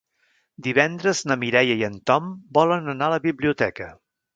Divendres na Mireia i en Tom volen anar a la biblioteca.